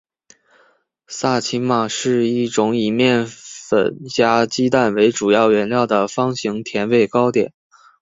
萨其马是一种以面粉加鸡蛋为主要原料的方形甜味糕点。